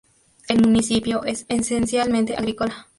El municipio es esencialmente agrícola.